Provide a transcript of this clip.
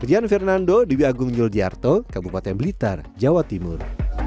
berian fernando dwi agung yuldiarto kabupaten blitar jawa timur